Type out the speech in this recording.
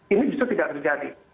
ini justru tidak terjadi